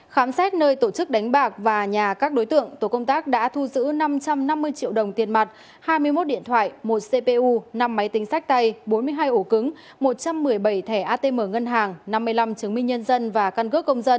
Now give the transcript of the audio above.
khám xét nơi tổ chức đánh bạc và nhà các đối tượng tổ công tác đã thu giữ năm trăm năm mươi triệu đồng tiền mặt hai mươi một điện thoại một cpu năm máy tính sách tay bốn mươi hai ổ cứng một trăm một mươi bảy thẻ atm ngân hàng năm mươi năm chứng minh nhân dân và căn cước công dân